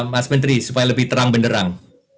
mas menteri supaya lebih terang benderang